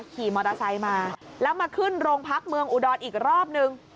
ขี่มอเตอร์ไซค์มาแล้วมาขึ้นโรงพักเมืองอุดรอีกรอบนึง